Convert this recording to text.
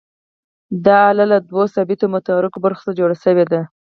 دا آله له دوو ثابتو او متحرکو برخو څخه جوړه شوې ده.